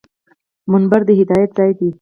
منبر د هدایت ځای دی